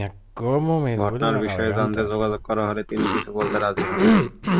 ঘটনার বিষয়ে জানতে যোগাযোগ করা হলে তিনি কিছু বলতে রাজি হননি।